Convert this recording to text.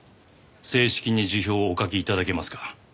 正式に辞表をお書き頂けますか。